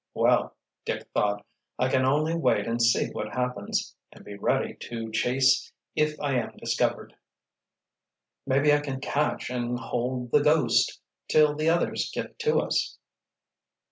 "Well," Dick thought. "I can only wait and see what happens—and be ready to chase if I am discovered. Maybe I can catch and hold the 'ghost' till the others get to us."